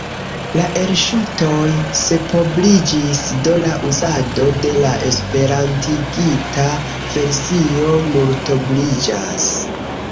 La elŝutoj sepobliĝis, do la uzado de la esperantigita versio multobliĝas.